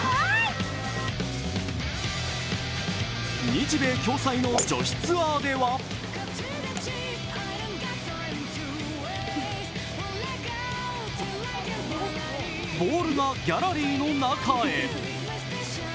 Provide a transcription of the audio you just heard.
日米共催の女子ツアーではボールがギャラリーの中へ。